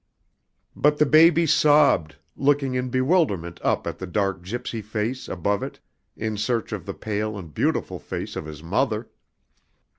But the baby sobbed, looking in bewilderment up at the dark gypsy face above it in search of the pale and beautiful face of his mother.